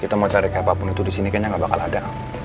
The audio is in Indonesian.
kita mau cari kayak apapun itu di sini kayaknya nggak bakal ada